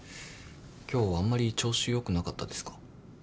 今日あんまり調子よくなかったですか？